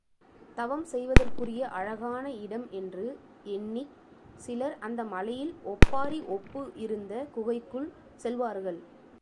தவம் செய்வதற்குரிய அழகான இடம் என்று எண்ணிச் சிலர் அந்த மலையில் ஒப்பாரி ஒப்பு இருந்த குகைக்குள் செல்வார்கள்.